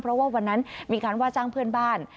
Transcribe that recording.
เพราะว่าวันนั้นมีการว่าจ้างเพื่อนบ้าน